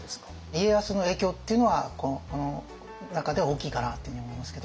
家康の影響っていうのはこの中では大きいかなっていうように思いますけど。